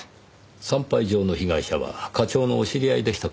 産廃場の被害者は課長のお知り合いでしたか。